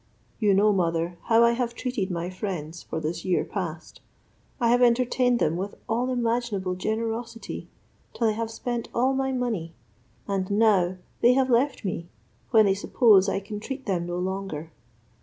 You know, mother, how I have treated my friends for this year past; I have entertained them with all imaginable generosity, till I have spent all my money, and now they have left me, when they suppose I can treat them no longer.